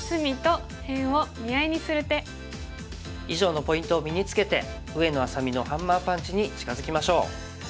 以上のポイントを身につけて上野愛咲美のハンマーパンチに近づきましょう。